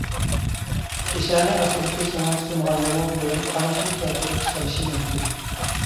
پېشانە ئاستىدىكى سۆڭەك سۇنغاندىمۇ بۇرۇن قاناشنى كەلتۈرۈپ چىقىرىشى مۇمكىن.